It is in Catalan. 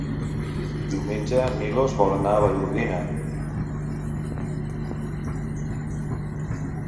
Diumenge en Milos vol anar a Vallgorguina.